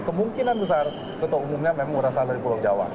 kemungkinan besar ketua umumnya memang berasal dari pulau jawa